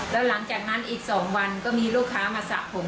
แล้วหลังจากนั้นอีก๒วันก็มีลูกค้ามาสระผม